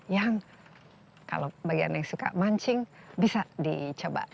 yang kalau bagian yang suka mancing bisa dicoba